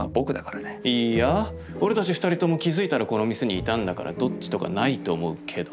いいや俺たち２人とも気付いたらこの店にいたんだからどっちとかないと思うけど。